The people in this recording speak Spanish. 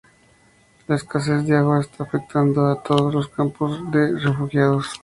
La escasez de agua está afectando a todos los campos de refugiados.